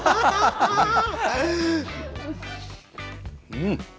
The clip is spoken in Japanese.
うん！